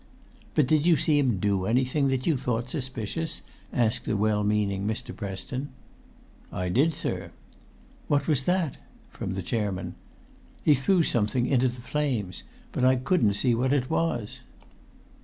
"But did you see him do anything that you thought suspicious?" asked the well meaning Mr. Preston. [Pg 159]"I did, sir." "What was that?" from the chairman. "He threw something into the flames. But I couldn't see what that was."